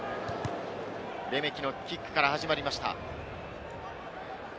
レメキのキックから始まりました。